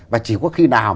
và chỉ có khi nào